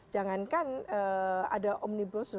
jangankan ada omnibus law